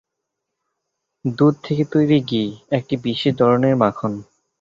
দুধ থেকে তৈরি ঘি, একটি বিশেষ ধরনের মাখন।